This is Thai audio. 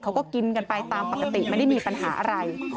เขาก็กินกันไปตามปกติไม่ได้มีปัญหาอะไร